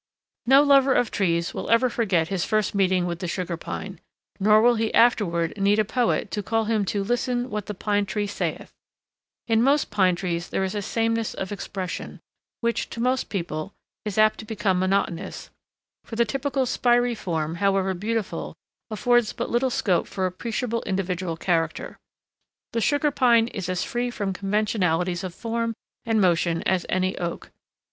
No lover of trees will ever forget his first meeting with the Sugar Pine, nor will he afterward need a poet to call him to "listen what the pine tree saith." In most pine trees there is a sameness of expression, which, to most people, is apt to become monotonous; for the typical spiry form, however beautiful, affords but little scope for appreciable individual character. The Sugar Pine is as free from conventionalities of form and motion as any oak.